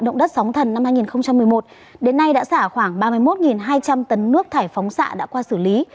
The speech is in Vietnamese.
động đất sóng thần năm hai nghìn một mươi một đến nay đã xả khoảng ba mươi một hai trăm linh tấn nước thải phóng xạ đã qua xử lý